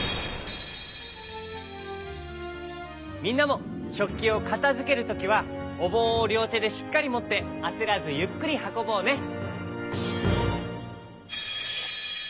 みんなもしょっきをかたづけるときはおぼんをりょうてでしっかりもってあせらずゆっくりはこぼうね！